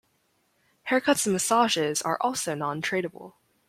Haircuts and massages are also non-tradable.